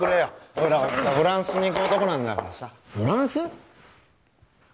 おいらはいつかフランスに行く男なんだからさフランス？